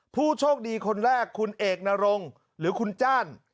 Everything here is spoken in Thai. ผู้โชคดีคนแรกคุณเอกนรงหรือคุณจ้าน